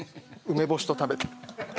梅干しと食べて。